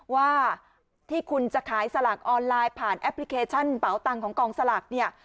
ว่าที่คุณจะขายสลากออนไลน์ผ่านแอปพลิเคชันเป๋าตังของกองสลากเนี่ย